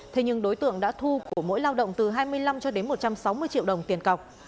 thế nhưng đối tượng đã thu của mỗi lao động từ hai mươi năm cho đến một trăm sáu mươi triệu đồng tiền cọc